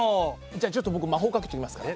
じゃあちょっと僕魔法かけときますね。